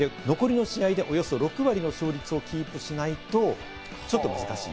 残りの試合でおよそ６割の勝率をキープしないと、ちょっと難しい。